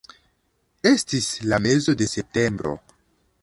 Estis la mezo de septembro.